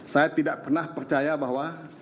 saya tidak pernah percaya bahwa